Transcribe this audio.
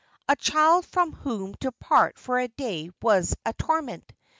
a child, from whom to part for a day was a torment.